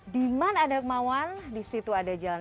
di mana ada kemauan di situ ada jalan